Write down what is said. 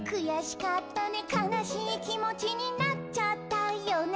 「かなしいきもちになっちゃったよね」